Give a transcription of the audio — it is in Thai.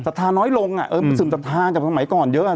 รัทธาน้อยลงอ่ะเออมันซึมสัทธากับสมัยก่อนเยอะอ่ะ